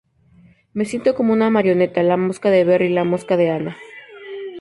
Me siento como una marioneta- la mascota de Berry, la mascota de Anna.